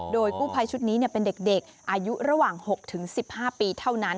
โดยกู้ภัยชุดนี้เป็นเด็กอายุระหว่าง๖๑๕ปีเท่านั้น